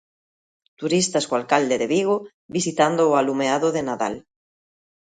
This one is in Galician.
Turistas co alcalde de Vigo visitando o alumeado de Nadal.